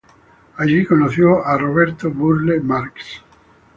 Allí conoció a Roberto Burle Marx.